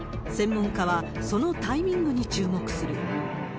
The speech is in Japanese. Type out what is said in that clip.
専門家はそのタイミングに注目する。